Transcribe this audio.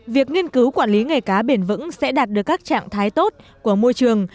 việc nghiên cứu quản lý nghề cá bền vững sẽ đạt được các trạng thái tốt của môi trường